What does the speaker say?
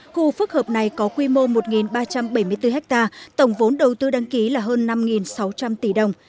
khu phức hợp này có quy mô một ba trăm bảy mươi bốn ha tổng vốn đầu tư đăng ký là hơn năm sáu trăm linh tỷ đồng